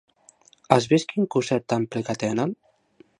Has vist quin cosset tan ple que tenen?